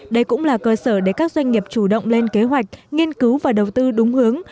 đây cũng là cơ sở để các doanh nghiệp chủ động lên kế hoạch nghiên cứu và đầu tư đúng hướng